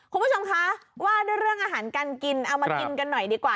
คุณผู้ชมคะว่าด้วยเรื่องอาหารการกินเอามากินกันหน่อยดีกว่า